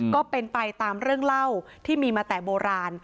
ก็เป็นไปตามเรื่องเล่าที่มีมาแต่โบราณ